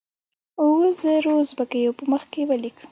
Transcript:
اوو زرو اوزبیکو په مخ کې ولیک.